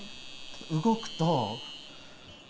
動くと。